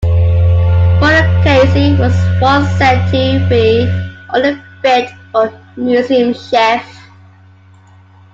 "Monocacy" was once said to be "only fit for a museum shelf.